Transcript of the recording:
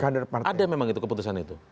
ada memang keputusan itu